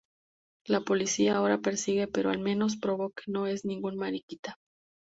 La policía ahora lo persigue, pero al menos "probó que no es ningún mariquita".